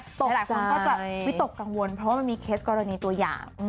หลายคนก็จะวิตกกังวลเพราะว่ามันมีเคสกรณีตัวอย่าง